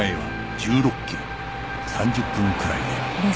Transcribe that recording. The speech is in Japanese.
３０分くらいである